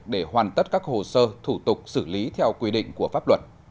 để hoàn tất các hồ sơ thủ tục xử lý theo quy định của pháp luật